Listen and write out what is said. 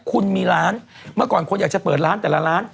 คุณมีร้านเมื่อก่อนคนอยากจะเปิดร้านแต่ละร้าน